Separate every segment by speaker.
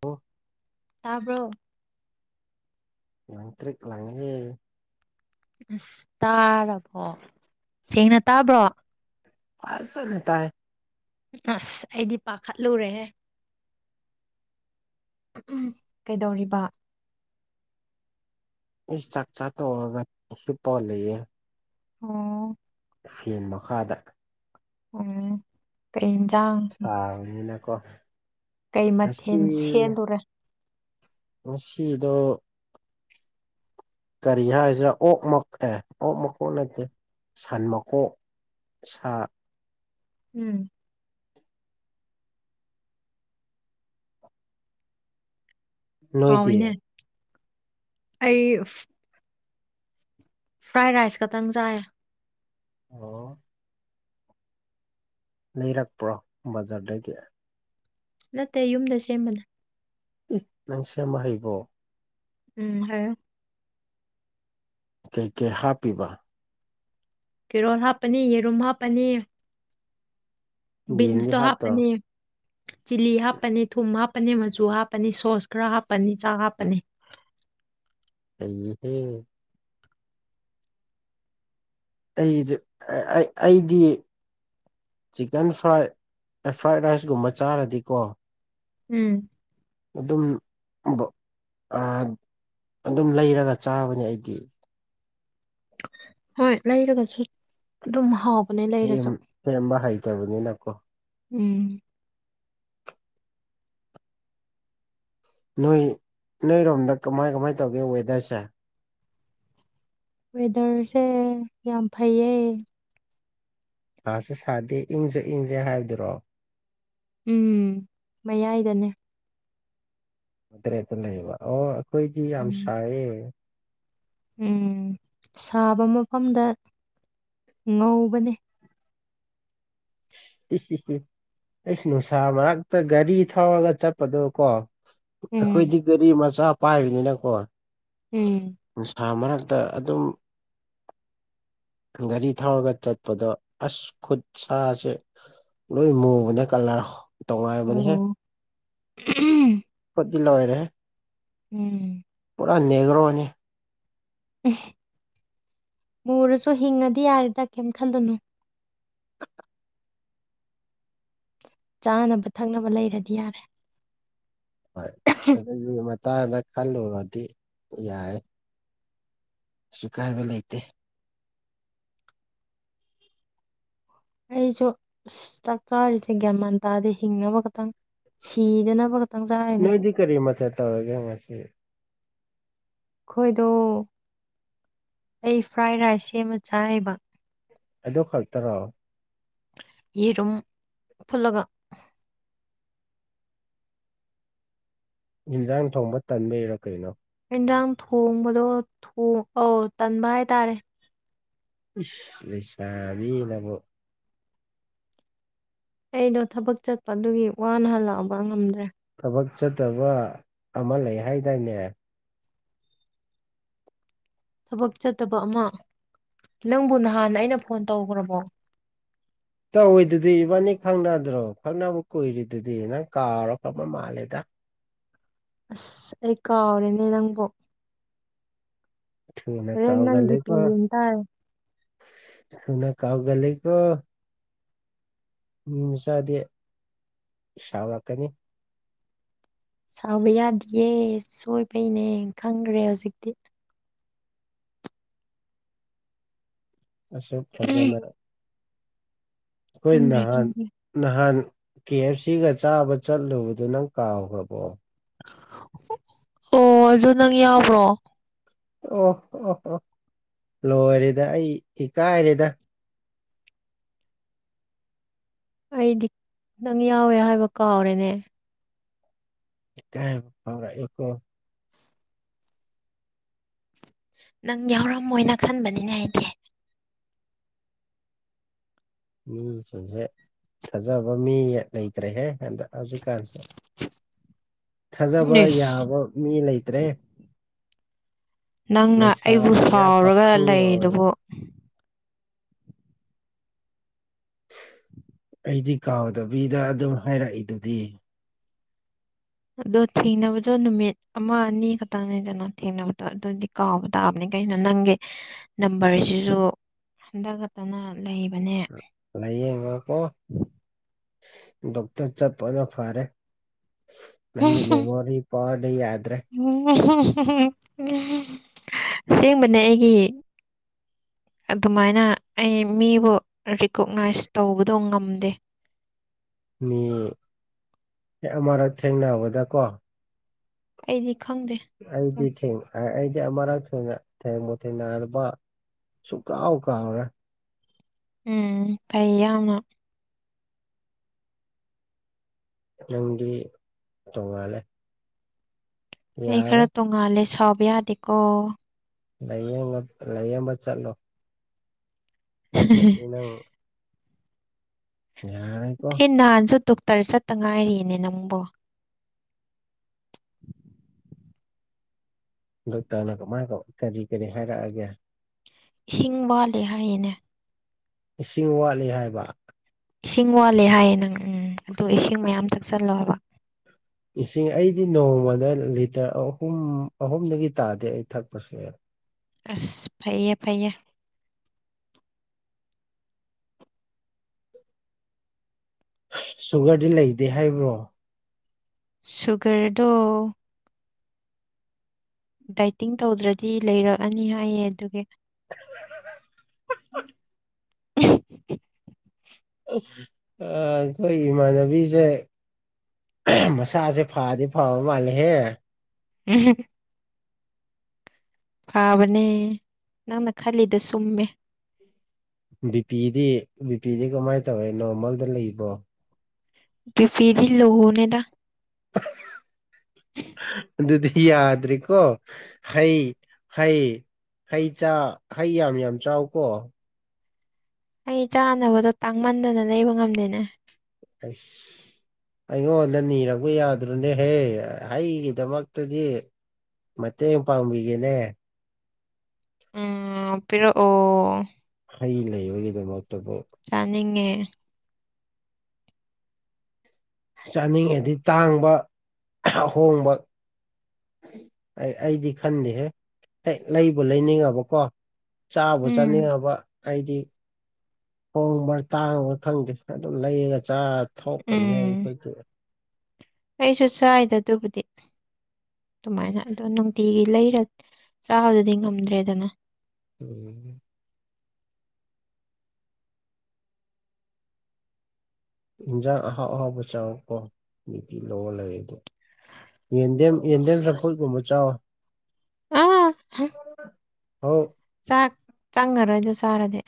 Speaker 1: ꯑꯣ [inaudible]
Speaker 2: ꯇꯥꯕ꯭ꯔꯣ
Speaker 1: ꯂꯪꯇ꯭ꯔꯤꯛ ꯂꯪꯌꯦ
Speaker 2: ꯑꯁ ꯇꯥꯔꯕꯣ ꯁꯦꯡꯅ ꯇꯥꯕ꯭ꯔꯣ
Speaker 1: ꯐꯥꯖꯅ ꯇꯥꯏ
Speaker 2: ꯑꯁ ꯑꯩꯗꯤ ꯄꯥꯈꯠꯂꯨꯔꯦꯍꯦ ꯎ ꯎ ꯀꯩꯗꯧꯔꯤꯕ
Speaker 1: ꯆꯥꯛꯆꯥ ꯍꯤꯞꯄ ꯂꯩꯌꯦ
Speaker 2: ꯑꯣ
Speaker 1: ꯐꯦꯟ ꯃꯈꯥꯗ
Speaker 2: ꯎꯝ ꯀꯩ ꯏꯟꯖꯥꯡ
Speaker 1: ꯁꯥꯔꯃꯤꯅꯀ‌ꯣ
Speaker 2: ꯀꯩ ꯃꯊꯦꯟ ꯁꯦꯜꯂꯨꯔ‌ꯦ
Speaker 1: ꯉꯁꯤꯗ‌ꯣ ꯀꯔꯤ ꯍꯥꯏꯁꯤꯔ ꯑꯣꯛ ꯃꯛ ꯑꯦ ꯑꯣꯛ ꯃꯀꯣꯛ ꯅꯠꯇꯦ ꯁꯟ ꯃꯀꯣꯛ ꯁꯥ
Speaker 2: ꯎꯝ
Speaker 1: ꯅꯣꯏꯗꯤ
Speaker 2: ꯍꯥꯎꯋꯤꯅꯦ ꯑꯩ ꯐ꯭ꯔꯥꯏ ꯔꯥꯏꯁ ꯈꯛꯇꯪ ꯆꯥꯏꯌꯦ
Speaker 1: ꯑꯣ ꯂꯩꯔꯛꯄ꯭ꯔꯣ ꯕꯖꯔꯗꯒꯤ
Speaker 2: ꯅꯠꯇꯦ ꯌꯨꯝꯗ ꯁꯦꯝꯕꯅꯦ
Speaker 1: ꯑꯦ ꯅꯪꯁꯤ ꯑꯃ ꯍꯩꯕꯔꯣ
Speaker 2: ꯎꯝ ꯍꯩ
Speaker 1: ꯀꯩ ꯀꯩ ꯍꯥꯞꯄꯤꯕ
Speaker 2: ꯀꯦꯔꯣꯜ ꯍꯥꯞꯄꯅꯤ ꯌꯦꯔꯨꯝ ꯍꯥꯞꯄꯅꯤ
Speaker 1: ꯌꯦꯟꯗꯤ
Speaker 2: ꯕꯤꯟꯁꯨ
Speaker 1: ꯍꯥꯞꯇ꯭ꯔꯣ
Speaker 2: ꯍꯥꯞꯄꯅꯤ ꯆꯤꯂꯤ ꯍꯥꯞꯄꯅꯤ ꯊꯨꯝ ꯍꯥꯞꯄꯅꯤ ꯃꯆꯨ ꯍꯥꯞꯄꯅꯤ ꯁꯣꯁ ꯈꯔ ꯍꯥꯞꯄꯅꯤ ꯆꯥꯛ ꯍꯥꯞꯄꯅꯤ
Speaker 1: ꯍꯩꯍꯦ ꯑꯩꯗꯤ ꯑꯩꯗꯤ ꯆꯤꯛꯀꯟ ꯐ꯭ꯔꯥꯏ ꯑꯦ ꯐ꯭ꯔꯥꯏꯠ ꯔꯥꯏꯁꯀꯨꯝꯕ ꯆꯥꯔꯗꯤꯀꯣ
Speaker 2: ꯎꯝ
Speaker 1: ꯑꯗꯨꯝ ꯑꯗꯨꯝ ꯂꯩꯔꯒ ꯆꯥꯕꯅꯦ ꯑꯩꯗꯤ
Speaker 2: ꯍꯣꯏ ꯂꯩꯔꯒꯁꯨ ꯑꯗꯨꯝ ꯍꯥꯎꯕ
Speaker 1: ꯁꯦꯝꯦꯝꯕ ꯍꯩꯇꯕꯅꯤꯅꯀꯣ
Speaker 2: ꯎꯝ
Speaker 1: ꯅꯣꯏ ꯅꯣꯏꯔꯣꯝꯗ ꯀꯃꯥꯏ ꯀꯃꯥꯏ ꯇꯧꯒꯦ ꯋꯦꯗꯔꯁꯦ
Speaker 2: ꯋꯦꯗꯔꯁꯦ ꯌꯥꯝ ꯐꯩꯌꯦ
Speaker 1: ꯃꯥꯁꯨ ꯁꯥꯗꯦ ꯏꯪꯁꯨ ꯏꯪꯁꯦ ꯍꯥꯏꯕꯗꯨꯔꯣ
Speaker 2: ꯎꯝ ꯃꯌꯥꯏꯗꯅꯦ
Speaker 1: ꯑꯈꯣꯢꯗꯤ ꯑꯗꯨ ꯂꯩꯕ ꯑꯣ ꯑꯩꯈꯣꯏꯗꯤ ꯌꯥꯝ
Speaker 2: ꯎꯝ
Speaker 1: ꯁꯥꯏꯌꯦ
Speaker 2: ꯎꯝ ꯁꯥꯕ ꯃꯐꯝꯗ ꯉꯧꯕꯅꯦ
Speaker 1: ꯎ ꯎ ꯎꯝ [inaudible] ꯑꯩꯁ ꯅꯨꯡꯁꯥ ꯃꯔꯛꯇ ꯒꯥꯔꯤ ꯊꯧꯔꯒ ꯆꯠꯄꯗꯨꯣ ꯀꯣ
Speaker 2: ꯎꯝ
Speaker 1: ꯑꯩꯈꯣꯏꯗꯤ ꯒꯥꯔꯤ ꯃꯆꯥ ꯄꯥꯏꯕꯅꯤꯅꯀꯣ
Speaker 2: ꯎꯝ
Speaker 1: ꯅꯨꯡꯁꯥ ꯃꯔꯛꯇ ꯑꯗꯨꯝ ꯒꯥꯔꯤ ꯊꯧꯔꯒ ꯆꯠꯄꯗꯣ ꯑꯁ ꯈꯨꯠ ꯁꯥꯥꯁꯦ ꯂꯣꯏ ꯃꯨꯕꯅꯦ ꯀꯂꯔ ꯇꯣꯡꯉꯥꯟꯕꯅꯤꯍꯦ
Speaker 2: ꯑꯣ [unintelligible]
Speaker 1: ꯈꯨꯠꯇꯤ ꯂꯣꯏꯔꯦꯍꯦ
Speaker 2: ꯎꯝ
Speaker 1: ꯄꯨꯔꯥ ꯅꯦꯒ꯭ꯔꯣꯅꯤ
Speaker 2: ꯃꯨꯔꯁꯨ ꯍꯤꯡꯉꯗꯤ ꯌꯥꯔꯦꯗ ꯀꯩꯝ ꯈꯜꯂꯨꯅꯨ ꯆꯥꯅꯕ ꯊꯛꯅꯕ ꯂꯩꯔꯗꯤ ꯌꯥꯔꯦ
Speaker 1: ꯍꯣꯏ ꯑꯗꯨꯒꯤ ꯃꯇꯥꯡꯗ ꯈꯜꯂꯨꯔꯗꯤ ꯌꯥꯏ ꯀꯩꯁꯨ ꯀꯥꯏꯕ ꯂꯩꯇꯦ
Speaker 2: ꯑꯩꯁꯨ ꯆꯥꯛ ꯆꯥꯔꯤꯁꯦ ꯒ꯭ꯌꯥꯟ ꯃꯥꯟ ꯇꯥꯗꯦ ꯍꯤꯡꯅꯕ ꯈꯛꯇꯪ ꯁꯤꯗꯅꯕ ꯈ
Speaker 1: ꯅꯣꯏꯗꯤ ꯀꯔꯤ ꯃꯊꯦꯜ ꯇꯧꯔꯒꯦ ꯉꯁꯤ
Speaker 2: ꯑꯩꯈꯣꯏꯗꯣ ꯑꯩ ꯐ꯭ꯔꯥꯏ ꯔꯥꯏꯁ ꯁꯦꯝꯃ ꯆꯥꯏꯕ
Speaker 1: ꯑꯗꯨ ꯈꯛꯇꯔꯣ
Speaker 2: ꯌꯦꯔꯨꯝ ꯐꯨꯠꯂꯒ
Speaker 1: ꯌꯦꯟꯖꯥꯡ ꯊꯣꯡꯕ ꯇꯟꯕꯩꯔꯣ ꯀꯩꯅꯣ
Speaker 2: ꯢꯟꯖꯥꯡ ꯊꯣꯡꯕꯗꯣ ꯊꯣꯡ ꯑꯥꯎ ꯇꯟꯕ ꯍꯥꯏꯇꯥꯔꯦ
Speaker 1: ꯢꯁ ꯂꯩꯁꯥꯕꯤꯅꯕꯨ
Speaker 2: ꯑꯩꯗꯣ ꯊꯕꯛ ꯆꯠꯄꯗꯨꯒꯤ ꯋꯥꯅ ꯍꯜꯂꯛꯑꯕ ꯉꯝꯗ꯭ꯔꯦ
Speaker 1: ꯊꯕꯛ ꯆꯠꯇꯕ ꯑꯃ ꯂꯩ ꯍꯥꯏꯗꯥꯢꯅꯦ
Speaker 2: ꯊꯕꯛ ꯆꯠꯇꯕ ꯑꯃ ꯅꯪꯕꯨ ꯅꯍꯥꯟ ꯑꯩꯅ ꯐꯣꯟ ꯇꯧꯒ꯭ꯔꯕꯣ
Speaker 1: ꯇꯧꯋꯤꯗꯨꯗꯤ ꯏꯕꯥꯅꯤ ꯈꯪꯅꯗ꯭ꯔꯣ ꯈꯪꯅꯕ ꯀꯨꯏꯔꯤꯗꯨꯗꯤ ꯅꯪ ꯀꯥꯎꯕꯕ ꯃꯥꯜꯂꯦꯗ
Speaker 2: ꯑꯁ ꯑꯩ ꯀꯥꯎꯔꯦꯅꯦ ꯅꯪꯕꯨ
Speaker 1: ꯊꯨꯅ
Speaker 2: ꯍꯣꯔꯦꯟ ꯅꯪ ꯗꯤꯄꯤ
Speaker 1: ꯀꯥꯎꯒꯜꯂꯤꯀꯣ
Speaker 2: ꯌꯦꯡ ꯇꯥꯔꯦ
Speaker 1: ꯊꯨꯅ ꯀꯥꯎꯒꯜꯂꯤꯀꯣ ꯃꯤ ꯃꯆꯥꯗꯤ ꯁꯥꯎꯔꯛꯀꯅꯤ
Speaker 2: ꯁꯥꯎꯕ ꯌꯥꯗꯤꯌꯦ ꯁꯣꯏꯕꯩꯅꯦ ꯈꯪꯒ꯭ꯔꯦ ꯍꯧꯖꯤꯛꯇꯤ
Speaker 1: ꯑꯁꯨꯛ ꯐꯖꯅ ꯍꯣꯏ
Speaker 2: ꯈꯪꯈ꯭ꯔꯦ
Speaker 1: ꯅꯍꯥꯟ
Speaker 2: ꯈꯪꯈ꯭ꯔꯦ
Speaker 1: ꯅꯍꯥꯟ ꯀꯦ ꯑꯦꯐ ꯁꯤꯒ ꯆꯥꯕ ꯆꯠꯂꯨꯕꯗꯨ ꯅꯪ ꯀꯥꯎꯒ꯭ꯔꯕꯣ
Speaker 2: ꯑꯣ ꯑꯗꯨ ꯅꯪ ꯌꯥꯎꯕ꯭ꯔꯣ
Speaker 1: ꯑꯣ ꯑꯣ ꯑꯣ ꯂꯣꯏꯔꯦꯗ ꯑꯩ ꯏꯀꯥꯏꯔꯦꯗ
Speaker 2: ꯑꯩꯗꯤ ꯅꯪ ꯌꯥꯎꯋꯦ ꯍꯥꯏꯕ ꯀꯥꯎꯔꯦꯅꯦ
Speaker 1: ꯢꯀꯥꯢꯕ ꯐꯥꯎꯔꯛꯢꯀꯣ
Speaker 2: ꯅꯪ ꯌꯥꯎꯔꯝꯃꯣꯏꯅ ꯈꯟꯕꯅꯤꯅꯦ ꯑꯩꯗꯤ
Speaker 1: ꯃꯤꯁꯤꯡꯖꯦ ꯊꯥꯖꯕ ꯃꯤ ꯂꯩꯇ꯭ꯔꯦꯍꯦ ꯍꯟꯗꯛ ꯍꯧꯖꯤꯛꯀꯥꯟꯁꯦ ꯊꯥꯖꯕ
Speaker 2: ꯏꯁ
Speaker 1: ꯌꯥꯕ ꯃꯤ ꯂꯩꯇ꯭ꯔꯦ
Speaker 2: ꯅꯪꯅ
Speaker 1: ꯂꯩꯁꯥ
Speaker 2: ꯑꯩꯕꯨ
Speaker 1: ꯑꯣꯏꯒꯦꯔꯥ
Speaker 2: ꯁꯥꯎꯔꯒ
Speaker 1: ꯄꯥꯈꯪ ꯑꯣꯏ
Speaker 2: ꯂꯩꯗꯨꯕꯨ
Speaker 1: ꯑꯩꯗꯤ ꯀꯥꯎꯗꯕꯤꯗ ꯑꯗꯨꯝ ꯍꯥꯏꯔꯛꯏꯗꯨꯗꯤ
Speaker 2: ꯑꯗꯣ ꯊꯦꯡꯅꯕꯗꯣ ꯅꯨꯃꯤꯠ ꯑꯃ ꯑꯅꯤ ꯈꯛꯇꯪꯅꯤꯗꯅ ꯊꯦꯡꯅꯕꯗꯣ ꯑꯗꯨꯗꯤ ꯀꯥꯎꯕ ꯇꯥꯕꯅꯤ ꯀꯩꯅꯣ ꯅꯪꯒꯤ ꯅꯝꯕꯔꯁꯤꯁꯨ ꯍꯟꯗ ꯈꯛꯇꯅ ꯂꯩꯕꯅꯦ
Speaker 1: [unintelligible] ꯗꯣꯛꯇꯔ ꯆꯠꯄꯅ ꯐꯔꯦ ꯅꯪꯒꯤ ꯃꯦꯃꯣꯔꯤ ꯄꯥꯠ ꯌꯥꯗ꯭ꯔꯦ
Speaker 2: ꯑꯁꯦꯡꯕꯅꯦ ꯑꯩꯒꯤ ꯑꯗꯨꯃꯥꯏꯅ ꯑꯩ ꯃꯤꯕꯨ ꯔꯤꯀꯣꯛꯅꯥꯏꯁ ꯇꯧꯕꯗꯣ ꯉꯝꯗꯦ
Speaker 1: ꯃꯤ ꯑꯃꯔꯛ ꯊꯦꯡꯅꯕꯗ ꯀꯣ
Speaker 2: ꯑꯩꯗꯤ ꯈꯪꯗꯦ
Speaker 1: ꯑꯩꯗꯤ ꯊꯦꯡ ꯑꯩꯗꯤ ꯃꯔꯛ ꯊꯨꯅ ꯊꯦꯡꯕꯨ ꯊꯦꯡꯅꯔꯕ ꯁꯨꯀꯥꯎ ꯀꯥꯎꯔꯦ
Speaker 2: ꯎꯝ ꯐꯩ ꯌꯥꯝꯅ
Speaker 1: ꯅꯪꯗꯤ ꯇꯣꯡꯉꯂꯦ
Speaker 2: ꯑꯩ ꯈꯔ ꯇꯣꯡꯉꯥꯜꯂꯦ ꯁꯥꯎꯕ ꯌꯥꯗꯦꯀꯣ
Speaker 1: ꯂꯩꯌꯦ ꯂꯩꯌꯦꯕꯁ ꯆꯠꯂꯣ ꯅꯠꯇꯔꯗꯤ ꯅꯪ ꯌꯥꯔꯣꯏꯀꯣ
Speaker 2: ꯑꯦ ꯅꯍꯥꯟꯁꯨ ꯗꯣꯛꯇꯔ ꯆꯠꯇ ꯉꯥꯏꯔꯤꯅꯦ ꯅꯪꯕꯣ
Speaker 1: ꯗꯣꯛꯇꯔꯅ ꯀꯒ ꯀꯔꯤ ꯀꯔꯤ ꯍꯥꯏꯔꯛꯑꯒꯦ
Speaker 2: ꯏꯁꯤꯡ ꯋꯥꯜꯂꯦ ꯍꯥꯏꯌꯦꯅꯦ
Speaker 1: ꯏꯁꯤꯡ ꯋꯥꯠꯂꯤ ꯍꯥꯏꯕ
Speaker 2: ꯏꯁꯤꯡ ꯋꯥꯠꯂꯦ ꯍꯥꯏꯌꯦ ꯅꯪ ꯎꯝ ꯑꯗꯣ ꯏꯁꯤꯡ ꯃꯌꯥꯝ ꯊꯛꯁꯜꯂꯣꯕ
Speaker 1: ꯏꯁꯤꯡ ꯑꯩꯗꯤ ꯅꯣꯡꯃꯗ ꯂꯤꯇꯔ ꯑꯍꯨꯝ ꯑꯍꯨꯝꯗꯒꯤ ꯇꯥꯗꯦ ꯑꯩ ꯊꯛꯄꯁꯦ
Speaker 2: ꯑꯁ ꯐꯩꯌꯦ ꯐꯩꯌꯦ
Speaker 1: ꯁꯨꯒꯔꯗꯤ ꯂꯩꯗꯦ ꯍꯥꯏꯕ꯭ꯔꯣ
Speaker 2: ꯁꯨꯒꯔꯗꯣ ꯗꯥꯏꯇꯤꯡ ꯇꯧꯗ꯭ꯔꯗꯤ ꯂꯩꯔꯛꯑꯅꯤ ꯍꯥꯏꯌꯦ ꯑꯗꯨꯒꯤ
Speaker 1: [inaudible] ꯑꯩꯈꯣꯏ ꯏꯃꯥꯟꯅꯕꯤꯁꯦ ꯃꯁꯥꯁꯦ ꯐꯗꯤ ꯐꯕ ꯃꯥꯜꯂꯤꯍꯦ
Speaker 2: ꯎꯝ ꯐꯥꯕꯅꯦ ꯅꯪꯅ ꯈꯜꯂꯤꯗ ꯁꯨꯝꯃꯦ
Speaker 1: ꯕꯤ ꯄꯤꯗꯤ ꯕꯤꯄꯤꯤꯗꯤ ꯀꯃꯥꯏꯅ ꯇꯧꯋꯦ ꯅꯣꯔꯃꯦꯜꯗ ꯂꯩꯕ꯭ꯔꯣ
Speaker 2: ꯕꯤꯄꯤꯗꯤ ꯂꯣꯅꯤꯗ
Speaker 1: ꯑꯗꯨꯗꯤ ꯌꯥꯗ꯭ꯔꯤꯀꯣ ꯍꯩ ꯍꯩ ꯍꯩ ꯍꯩ ꯌꯥꯝ ꯌꯥꯝ ꯆꯥꯎꯀꯣ
Speaker 2: ꯑꯩ ꯆꯥꯅꯕꯗꯣ ꯇꯥꯡꯃꯟꯗꯅ ꯂꯩꯕ ꯉꯝꯗꯦꯅꯦ
Speaker 1: ꯑꯁ ꯑꯩꯉꯣꯟꯗ ꯅꯤꯔꯛꯄ ꯌꯥꯗ꯭ꯔꯣꯅꯦꯍꯦ ꯑꯩꯒꯤꯗꯃꯛꯇꯗꯤ ꯃꯦ ꯌꯦꯡ ꯄꯥꯎꯝꯒꯦꯅꯦ
Speaker 2: ꯎ ꯄꯤꯔꯤꯑꯣ
Speaker 1: ꯍꯩ ꯂꯩꯕꯒꯤꯗꯃꯛꯇꯕꯨ
Speaker 2: ꯆꯥꯅꯤꯡꯉꯦ
Speaker 1: ꯆꯥꯅꯤꯡꯉꯗꯤ ꯇꯥꯡꯕ ꯑꯍꯣꯡꯕ ꯑꯩ ꯑꯩꯗꯤ ꯈꯟꯗꯦꯍꯦ ꯍ ꯂꯩꯕꯨ ꯂꯩꯅꯤꯡꯉꯕꯀꯣ ꯆꯥꯕ
Speaker 2: ꯎꯝ
Speaker 1: ꯆꯥꯅꯤꯡꯉꯕ ꯑꯩꯗꯤ ꯍꯣꯡꯕ ꯇꯥꯡꯕ ꯈꯪꯗꯦ ꯑꯗꯨꯝ ꯂꯩꯔꯒ ꯆ ꯊꯣꯛꯄꯅꯤꯍꯦ ꯑꯩꯈꯣꯏꯁꯦ
Speaker 2: ꯀꯩꯁꯨ ꯆꯥꯏꯗ ꯑꯗꯨꯕꯨꯗꯤ ꯑꯗꯨꯃꯥꯏꯅ ꯑꯗꯣ ꯅꯨꯡꯇꯤꯒꯤ ꯂꯩꯔ ꯆꯥꯕꯗꯗꯤ ꯉꯝꯗ꯭ꯔꯦꯗꯅ
Speaker 1: ꯎꯝ ꯏꯟꯁꯥꯡ ꯑꯍꯥꯎ ꯑꯍꯥꯎꯕ ꯆꯪꯉꯛꯄꯣ ꯅꯨꯄꯤ ꯂꯔ ꯑꯗꯣ ꯌꯦꯟ ꯌꯦꯟ ꯌꯦꯟꯗꯦꯝ ꯆꯝꯐꯨꯠꯀꯨꯝꯕ ꯆꯥꯎꯋꯤ
Speaker 2: ꯑꯥ
Speaker 1: ꯍ
Speaker 2: ꯆꯥꯛ ꯆꯪꯉꯔꯣꯏꯗꯣ ꯆꯥꯔꯗꯤ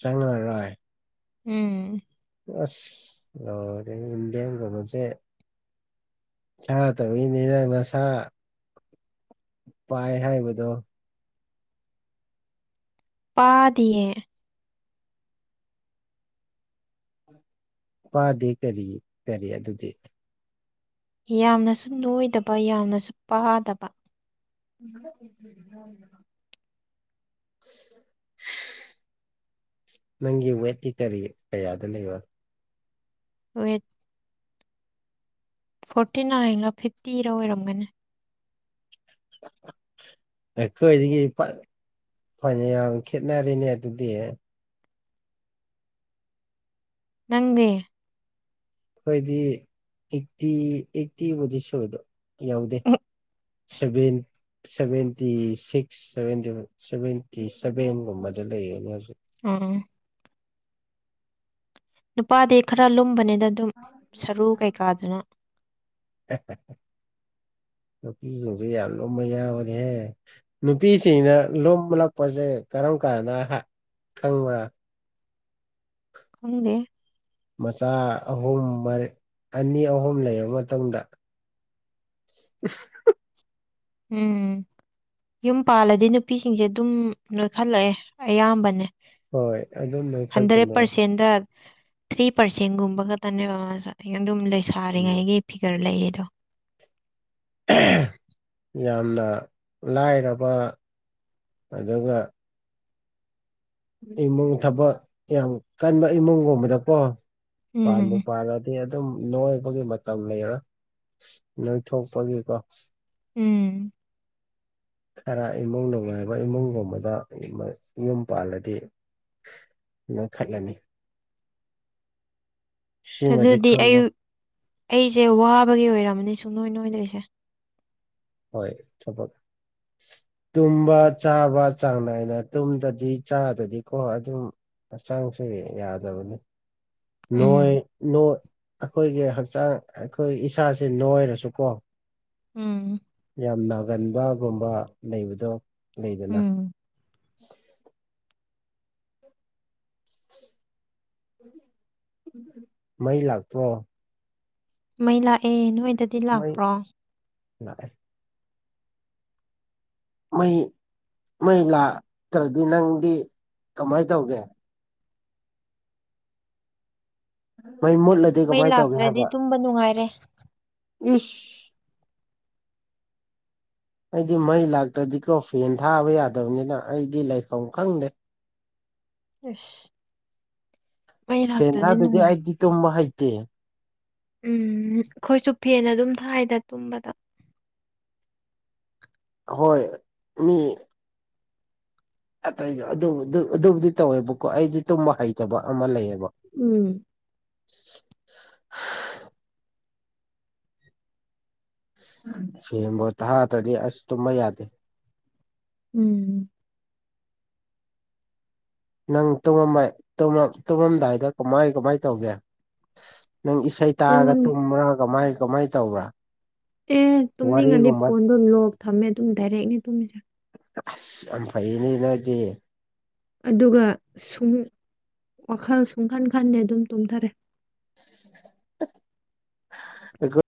Speaker 1: ꯆꯪꯉꯔꯣꯢ
Speaker 2: ꯎꯝ
Speaker 1: ꯑꯁ ꯏꯟꯗꯤꯌꯥ ꯀꯁꯦ ꯁꯥ ꯇꯧꯅꯤ ꯅꯪ ꯅꯁꯥ ꯄꯥꯏ ꯍꯥꯏꯕꯗꯣ
Speaker 2: ꯄꯥꯗꯦꯌꯦ
Speaker 1: ꯄꯥꯗꯦ ꯀꯔꯤ ꯀꯔꯤ ꯑꯗꯨꯗꯤ
Speaker 2: ꯌꯥꯝꯅꯁꯨ ꯅꯣꯏꯗꯕ ꯌꯥꯝꯅꯁꯨ ꯄꯥꯗꯕ
Speaker 1: [unintelligible] ꯅꯪꯒꯤ ꯋꯦꯠꯀꯤ ꯀꯔꯤ ꯀꯌꯥꯗ ꯂꯩꯕ
Speaker 2: ꯋꯦꯠ ꯐꯣꯔꯇꯤ ꯅꯥꯌꯦꯅ ꯐꯤꯐꯇꯤꯔ ꯑꯣꯏꯔꯝꯒꯅꯤ
Speaker 1: ꯑꯩꯀꯣꯏꯗꯒꯤ ꯐꯅ ꯌꯥꯝ ꯈꯦꯠꯅꯔꯤꯅꯦ ꯑꯗꯨꯗꯤ
Speaker 2: ꯅꯪꯗꯤ
Speaker 1: ꯑꯩꯈꫭꯏꯗꯤ ꯑꯦꯛꯇꯤ ꯑꯦꯛꯇꯤ ꯕꯨꯗꯤ ꯁꯣꯗꯣ ꯌꯥꯎꯗꯦ ꯁꯕꯦꯟ ꯁꯚꯦꯟꯇꯤ ꯁꯤꯛꯁ ꯁꯚꯦꯟꯇꯤ ꯁꯚꯦꯟꯒꯨꯝꯕꯗ ꯂꯩꯌꯦꯅꯦ ꯃꯁꯨ
Speaker 2: ꯑꯥ ꯅꯨꯄꯥꯗꯤ ꯈꯔ ꯂꯨꯝꯕꯅꯤꯅ ꯑꯗꯨꯝ ꯁꯔꯨ ꯀꯩꯀꯥꯗꯨꯅ
Speaker 1: ꯅꯨꯄꯤꯁꯤꯡꯁꯦ ꯌꯥꯝ ꯂꯨꯝꯕ ꯌꯥꯎꯕꯅꯦꯍꯦ ꯅꯨꯄꯤꯁꯤꯡꯅ ꯂꯣꯝꯂꯛꯄꯁꯦ ꯀꯔꯝ ꯀꯥꯟꯅ ꯈꯪꯕ꯭ꯔꯥ
Speaker 2: ꯐꯪꯅꯦ
Speaker 1: ꯃꯆꯥ ꯑꯍꯨꯝ ꯑꯅꯤ ꯑꯍꯨꯝ ꯂꯩꯔꯕ ꯃꯇꯨꯡꯗ [unintelligible]
Speaker 2: ꯎꯝ ꯌꯨꯝ ꯄꯥꯜꯂꯗꯤ ꯅꯨꯄꯤꯁꯤꯡꯁꯦ ꯑꯗꯨꯝ ꯂꯣꯏꯈꯠꯂꯛꯑꯦ ꯑꯌꯥꯝꯕꯅꯦ
Speaker 1: ꯍꯣꯏ ꯑꯗꯨꯝ
Speaker 2: ꯍꯟꯗ꯭ꯔꯦꯠ
Speaker 1: ꯅꯣꯏꯈꯠꯄꯅꯦ
Speaker 2: ꯄꯔꯁꯦꯟꯗ ꯊ꯭ꯔꯤ ꯄꯥꯔꯁꯦꯟꯒꯨꯝꯕ ꯈꯛꯇꯅꯦꯕ ꯑꯗꯨꯝ
Speaker 1: ꯎꯝ
Speaker 2: ꯂꯩꯁꯔꯤꯉꯩꯒꯤ ꯐꯤꯒꯔ ꯂꯩꯔꯤꯗꯣ
Speaker 1: ꯌꯥꯝꯅ ꯂꯥꯏꯔꯕ ꯑꯗꯨꯒ ꯏꯃꯨꯡ ꯊꯕꯛ ꯌꯥꯝ ꯀꯟꯕ ꯏꯃꯨꯡꯒꯨꯝꯕꯗꯀꯣ ꯄꯥꯟꯕ
Speaker 2: ꯎꯝ
Speaker 1: ꯄꯥꯂꯗꯤ ꯑꯗꯨꯝ ꯅꯣꯏꯕꯒꯤ ꯃꯇꯝ ꯂꯩꯔꯥ ꯅꯣꯏ ꯊꯣꯛꯄꯒꯦ ꯀꯣ
Speaker 2: ꯎꯝ
Speaker 1: ꯈꯔ ꯏꯃꯨꯡ ꯅꯨꯡꯉꯥꯏꯕ ꯏꯃꯨꯡꯒꯨꯝꯕꯗ ꯌꯨꯝ ꯄꯥꯜꯂꯗꯤ ꯅꯣꯢ ꯈꯠꯂꯅꯤ ꯁꯤꯃꯗꯤ
Speaker 2: ꯑꯗꯨꯗꯤ ꯑꯩ
Speaker 1: ꯈꯪꯉꯣ
Speaker 2: ꯑꯩꯁꯦ ꯋꯥꯕꯒꯤ ꯑꯣꯏꯔꯝꯃꯅꯤ ꯁꯨꯡ ꯅꯣꯏ ꯅꯣꯏꯗ꯭ꯔꯤꯁꯦ
Speaker 1: ꯍꯣꯏ ꯊꯕꯛ ꯇꯨꯝꯕ ꯆꯥꯕ ꯆꯥꯡ ꯅꯥꯏꯅ ꯇꯨꯝꯗꯗꯤ ꯆꯥꯗꯗꯤꯀꯣ ꯑꯗꯨꯝ ꯍꯛꯆꯥꯡꯁꯦ ꯌꯥꯗꯕꯅꯤ
Speaker 2: ꯎꯝ
Speaker 1: ꯅꯣꯏ ꯅꫭꯏ ꯑꯩꯈꯣꯏꯒꯤ ꯍꯛꯆꯥꯡ ꯑꯩꯈꯣꯏ ꯏꯁꯥꯁꯦ ꯅꯣꯏꯔꯁꯨ ꯀꯣ
Speaker 2: ꯎꯝ
Speaker 1: ꯌꯥꯝ ꯅꯥꯒꯟꯕꯒꯨꯝꯕ ꯂꯩꯕꯗꯣ ꯂꯩꯗꯅ
Speaker 2: ꯎꯝ
Speaker 1: ꯃꯩ ꯂꯥꯛꯄ꯭ꯔꯣ
Speaker 2: ꯃꯩ ꯂꯥꯛꯑꯦ ꯅꯣꯏꯗꯗꯤ
Speaker 1: ꯃꯩ
Speaker 2: ꯂꯥꯛꯄ꯭ꯔꯣ
Speaker 1: ꯂꯥꯛꯑꯦ ꯃꯩ ꯃꯩ ꯂꯥꯛꯇ꯭ꯔꯗꯤ ꯅꯪꯗꯤ ꯀꯃꯥꯏꯅ ꯇꯧꯒꯦ ꯃꯩ ꯃꯨꯠꯂꯗꯤ
Speaker 2: ꯃꯩ
Speaker 1: ꯀꯃꯥꯏꯅ ꯇꯧꯒꯦ
Speaker 2: ꯂꯥꯛꯇ꯭ꯔꯗꯤ
Speaker 1: ꯍꯥꯏꯕ
Speaker 2: ꯇꯨꯝꯕ ꯅꯨꯡꯉꯥꯏꯔꯦ
Speaker 1: ꯏꯁ ꯑꯩꯗꯤ ꯃꯩ ꯂꯥꯛꯇ꯭ꯔꯗꯤꯀꯣ ꯐꯦꯟ ꯊꯥꯕ ꯌꯥꯗꯕꯅꯤꯅ ꯑꯩꯗꯤ ꯂꯥꯏꯐꯝ ꯈꯪꯗꯦ
Speaker 2: ꯑꯁ ꯃꯩ
Speaker 1: ꯐꯦꯟ
Speaker 2: ꯂꯥꯛꯇꯗꯤ
Speaker 1: ꯊꯥꯗꯗꯤ
Speaker 2: ꯅꯨꯡꯉꯥꯏꯔꯦ
Speaker 1: ꯑꯩꯗꯤ ꯇꯨꯝꯕ ꯍꯩꯇꯦ
Speaker 2: ꯎꯝ ꯑꯩꯈꯣꯏꯁꯨ ꯐꯦꯅ ꯑꯗꯨꯝ ꯊꯥꯏꯗ ꯇꯨꯝꯕꯗ
Speaker 1: ꯍꯣꯏ ꯃꯤ ꯑꯇꯩ ꯑꯗꯨꯕꯨꯗꯤ ꯇꯧꯋꯦꯕꯀꯣ ꯑꯩꯗꯤ ꯇꯨꯝꯕ ꯍꯩꯇꯕ ꯑꯃ ꯂꯩꯌꯦꯕ
Speaker 2: ꯎꯝ
Speaker 1: ꯐꯩꯟꯕꯨ ꯊꯥꯗꯔꯗꯤ ꯑꯁ ꯇꯨꯝꯕ ꯌꯥꯗꯦ
Speaker 2: ꯎꯝ
Speaker 1: ꯅꯪ ꯇꯨꯝꯃꯝꯗꯥꯏꯗ ꯀꯃꯥꯏ ꯀꯃꯥꯏ ꯇꯧꯒꯦ ꯅꯪ ꯏꯁꯩ ꯇꯥꯔꯒ
Speaker 2: ꯇꯨꯝꯃꯦ
Speaker 1: ꯇꯨꯝꯕ꯭ꯔꯥ ꯀꯃꯥꯏ ꯀꯃꯥꯏꯅ ꯇꯧꯕ꯭ꯔꯥ
Speaker 2: ꯑꯦ ꯇꯨꯝꯅꯤꯡꯉꯗꯤ
Speaker 1: ꯋꯥꯔꯤꯒꯨꯝꯕ
Speaker 2: ꯐꯣꯟꯗꯣ ꯂꯣꯛ ꯊꯝꯃꯦ ꯑꯗꯨꯝ ꯗꯥꯏꯔꯦꯛꯅꯤ ꯇꯨꯝꯃꯤꯁꯦ
Speaker 1: ꯑꯁ ꯌꯥꯝ ꯐꯩꯅꯤ ꯅꯣꯏꯗꯤ꯫
Speaker 2: ꯑꯗꯨꯒ ꯁꯨꯡ ꯋꯥꯈꯜ ꯁꯨꯡꯈꯟ ꯈꯟꯗꯦ ꯑꯗꯨꯝ ꯇꯨꯝꯊꯔꯦ꯫
Speaker 1: [unintelligible] [inaudible] [inaudible]